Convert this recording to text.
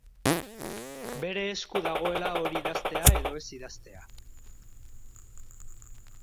Bere esku dagoela hori idaztea edo ez idaztea.